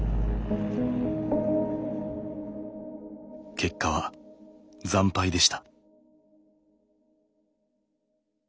結果は惨敗でした。